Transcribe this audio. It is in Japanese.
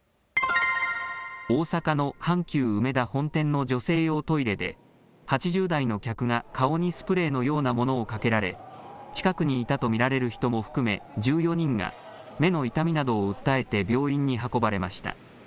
大阪の阪急うめだ本店の女性用トイレで８０代の客が顔にスプレーのようなものをかけられ近くにいたと見られる人も含め１４人が目の痛みなどを訴えて病院に運ばれました。